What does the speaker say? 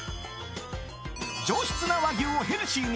上質な和牛をヘルシーに！